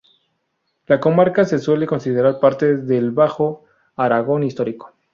La comarca se suele considerar parte del Bajo Aragón Histórico.